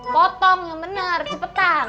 potong yang bener cepetan